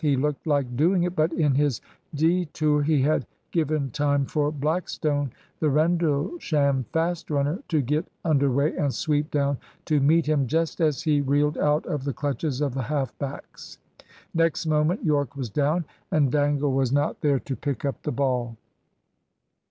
He looked like doing it. But in his detour he had given time for Blackstone, the Rendlesham fast runner, to get under way and sweep down to meet him just as he reeled out of the clutches of the half backs. Next moment Yorke was down, and Dangle was not there to pick up the ball.